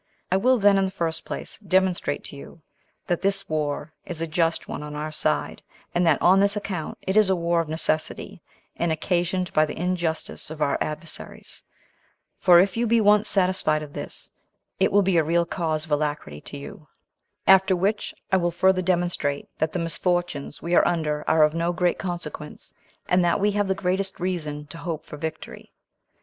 I will then, in the first place, demonstrate to you that this war is a just one on our side, and that on this account it is a war of necessity, and occasioned by the injustice of our adversaries; for if you be once satisfied of this, it will be a real cause of alacrity to you; after which I will further demonstrate, that the misfortunes we are under are of no great consequence, and that we have the greatest reason to hope for victory.